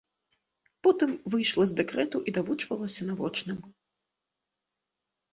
Потым выйшла з дэкрэту і давучвалася на вочным.